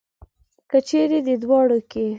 که چېرې دې دواړو کې.